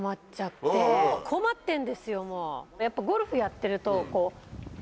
やっぱゴルフやってると。